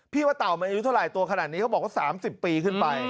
ว่าเต่ามันอายุเท่าไหร่ตัวขนาดนี้เขาบอกว่า๓๐ปีขึ้นไป